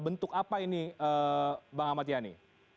bentuk apa ini bang ahmad yani